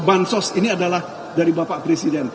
bansos ini adalah dari bapak presiden